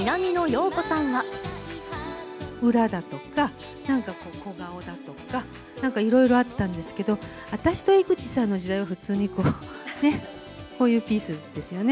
一方、裏だとか、なんか小顔だとか、なんかいろいろあったんですけど、私と江口さんの時代は、普通にこう、ね、こういうピースですよね。